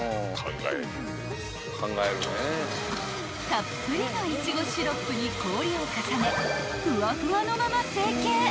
［たっぷりのいちごシロップに氷を重ねフワフワのまま成形］